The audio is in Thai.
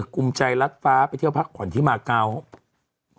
กลุ่มใจรัดฟ้าไปเที่ยวพักผ่อนที่มาเกาะ